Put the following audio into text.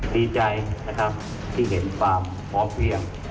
ดีใจนะครับที่เห็นความพร้อมเพียง